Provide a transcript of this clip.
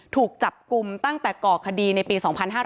ถูกจับกลุ่มตั้งแต่ก่อคดีในปี๒๕๕๙